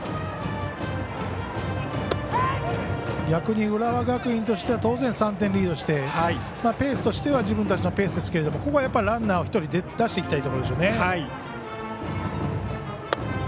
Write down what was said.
逆に浦和学院としては当然、３点リードしてペースとしては自分たちのペースですがここは、やっぱりランナーを１人出していきたいところでしょうね。